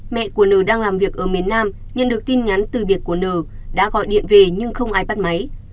mẹ của ne đang làm việc ở miền nam nhận được tin nhắn từ biệt của n đã gọi điện về nhưng không ai bắt máy